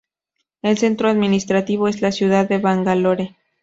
El centro administrativo es la ciudad de Bangalore.